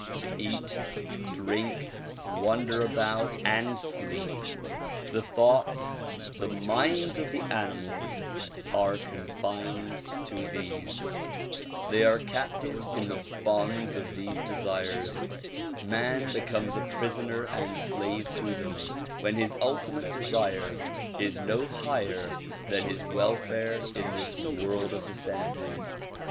To eat, drink, wander about and sleep. The thoughts, the minds of the animals are con fined to these. They are captives in the bonds of these desires. Man becomes a prisoner and slave to them when his ultimate desire is no higher than his welfare in this world of the senses.